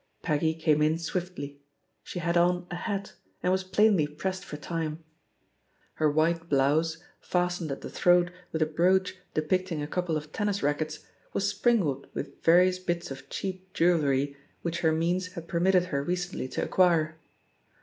Peggy came in swiftly. She had on a hat, and was plainly pressed for time. GEIer white blouse, fastened at the throat with a brooch depicting a couple of tennis rackets, was sprinkled with various bits of cheap jewellery which her means had permitted her recently to acquire.